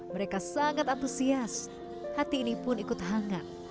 mereka sangat antusias hati ini pun ikut hangat